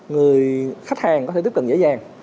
người khách hàng có thể tiếp cận dễ dàng